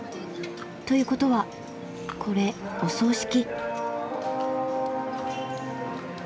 ということはこれお葬式。